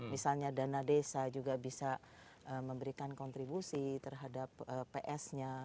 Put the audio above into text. misalnya dana desa juga bisa memberikan kontribusi terhadap ps nya